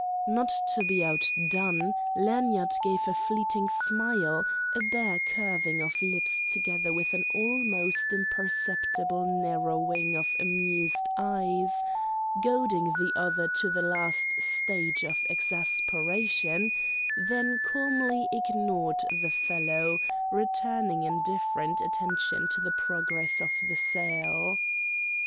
Not to be outdone, Lanyard gave a fleeting smile, a bare curving of lips together with an almost imperceptible narrowing of amused eyes—goading the other to the last stage of exasperation—then calmly ignored the fellow, returning indifferent attention to the progress of the sale.